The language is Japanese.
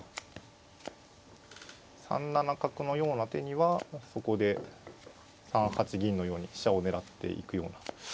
３七角のような手にはそこで３八銀のように飛車を狙っていくような。